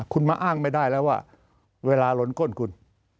คุณมาอ้างไม่ได้แล้วว่าเวลาล้นก้นคุณ